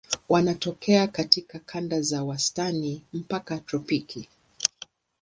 Wanatokea katika kanda za wastani mpaka tropiki.